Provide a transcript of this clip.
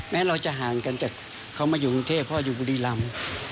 เราจะห่างกันจากเขามาอยู่กรุงเทพเพราะอยู่บุรีรำ